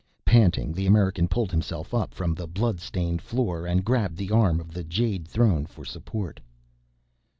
Panting, the American pulled himself up from the blood stained floor and grabbed the arm of the Jade Throne for support.